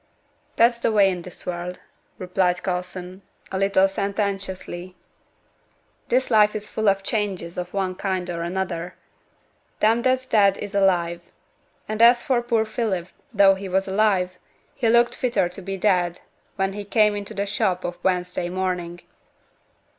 'That's t' way i' this world,' replied Coulson, a little sententiously. 'This life is full o' changes o' one kind or another; them that's dead is alive; and as for poor Philip, though he was alive, he looked fitter to be dead when he came into t' shop o' Wednesday morning.'